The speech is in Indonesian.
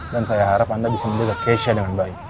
dan saya harap anda bisa melindungi keisha dengan baik